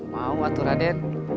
mau atur raden